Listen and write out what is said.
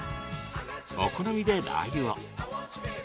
お好みで、ラーユを。